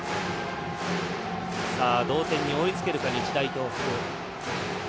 同点に追いつけるか、日大東北。